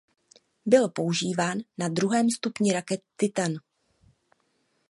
Byl používán na druhém stupni raket Titan.